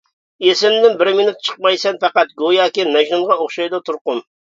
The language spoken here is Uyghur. ئېسىمدىن بىر مىنۇت چىقمايسەن پەقەت، گوياكى مەجنۇنغا ئوخشايدۇ تۇرقۇم.